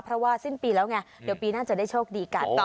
เพราะว่าสิ้นปีแล้วไงเดี๋ยวปีหน้าจะได้โชคดีกัน